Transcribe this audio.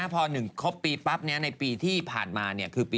พอ๑ครบปีปั๊บในปีที่ผ่านมา